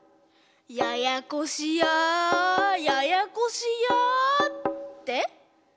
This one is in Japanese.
ややこしやややこしやって？